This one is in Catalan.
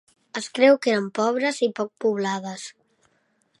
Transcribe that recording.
Es creu que eren pobres i poc poblades.